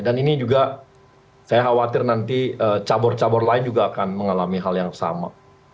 dan ini juga saya khawatir nanti cabur cabur lain juga akan mengalami hal yang sama